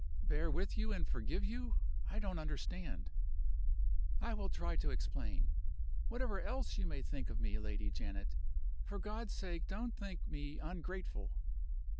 "Bear with you and forgive you? I don't understand." "I will try to explain. Whatever else you may think of me, Lady Janet, for God's sake don't think me ungrateful!"